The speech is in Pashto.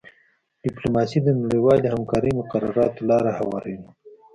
ډیپلوماسي د نړیوالې همکارۍ مقرراتو ته لاره هواروي